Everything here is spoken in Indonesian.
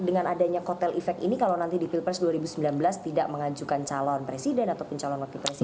dengan adanya kotel efek ini kalau nanti di pilpres dua ribu sembilan belas tidak mengajukan calon presiden ataupun calon wakil presiden